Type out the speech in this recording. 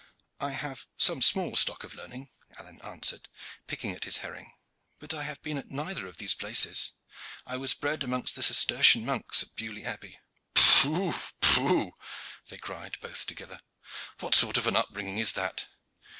"I have some small stock of learning," Alleyne answered, picking at his herring, "but I have been at neither of these places. I was bred amongst the Cistercian monks at Beaulieu Abbey." "Pooh, pooh!" they cried both together. "What sort of an upbringing is that?"